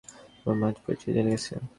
আমার মা আমার পরিচয় জেনে গেছে।